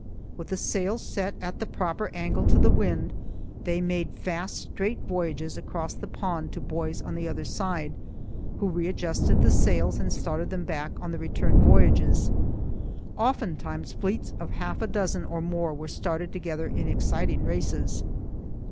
With the sails set at the proper angle to the wind, they made fast straight voyages across the pond to boys on the other side, who readjusted the sails and started them back on the return voyages. Oftentimes fleets of half a dozen or more were started together in exciting races.